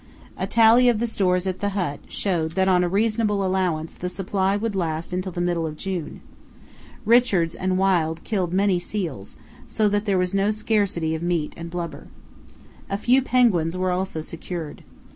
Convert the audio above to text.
A tally of the stores at the hut showed that on a reasonable allowance the supply would last till the middle of June. Richards and Wild killed many seals, so that there was no scarcity of meat and blubber. A few penguins were also secured.